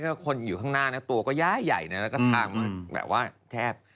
ถ้าคนอยู่ข้างหน้านะตัวก็ย้ายใหญ่นะแล้วก็ทางมาแบบว่าแทบ